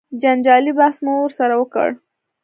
جنجالي بحث مو ورسره وکړ.